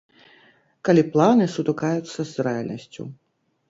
Калі планы сутыкаюцца з рэальнасцю.